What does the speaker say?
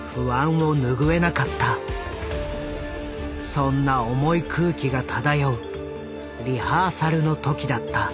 そんな重い空気が漂うリハーサルの時だった。